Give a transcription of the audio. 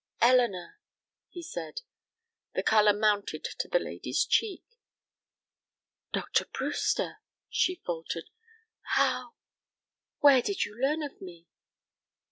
"Elinor," he said, the color mounted to the lady's cheek, "Dr. Brewster," she faltered. "How where did you learn of me?"